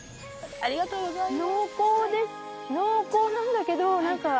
ありがとうございます。